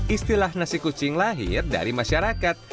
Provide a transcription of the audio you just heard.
istilah nasi kucing lahir dari masyarakat